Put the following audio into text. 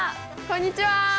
こんにちは！